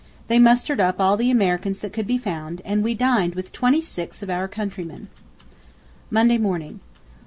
... They mustered up all the Americans that could be found, and we dined with twenty six of our countrymen. Monday Morning.